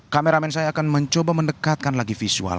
kameramen saya akan mencoba mendekatkan lagi visual